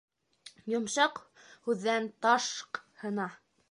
Йомшаҡ һүҙҙән таш һына.